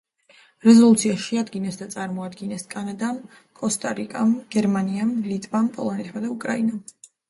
რეზოლუცია შეადგინეს და წარმოადგინეს კანადამ, კოსტა-რიკამ, გერმანიამ, ლიტვამ, პოლონეთმა და უკრაინამ.